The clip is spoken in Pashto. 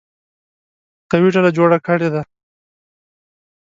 قوي ډله جوړه کړې ده.